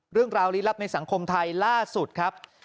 เรื่องราวลี้ลับในสังคมไทยล่าสุดครับ